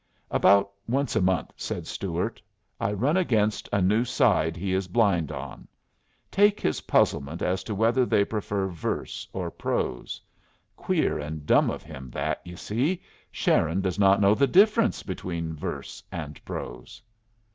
"About once a month," said Stuart, "I run against a new side he is blind on. Take his puzzlement as to whether they prefer verse or prose. Queer and dumb of him that, you see. Sharon does not know the difference between verse and prose."